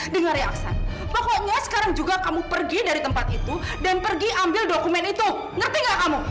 dengar reaksen pokoknya sekarang juga kamu pergi dari tempat itu dan pergi ambil dokumen itu ngerti gak kamu